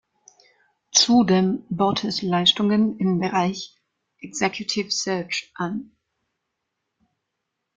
Zudem bot es Leistungen im Bereich Executive Search an.